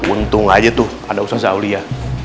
untung aja tuh ada ustaz julia